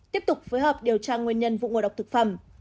tiếp tục phối hợp điều tra nguyên nhân vụ ngộ độc thực phẩm